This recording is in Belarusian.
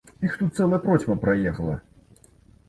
Іх тут цэлая процьма праехала.